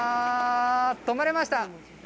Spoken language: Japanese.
止まれました。